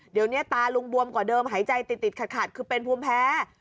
เดี๋ยวนี้ตาลุงบวมกว่าเดิมหายใจติดขัดคือเป็นภูมิแพ้